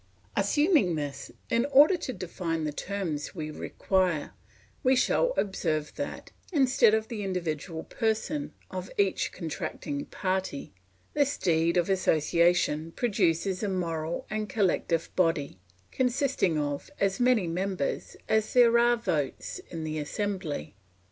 Assuming this, in order to define the terms we require, we shall observe that, instead of the individual person of each contracting party, this deed of association produces a moral and collective body, consisting of as many members as there are votes in the Assembly.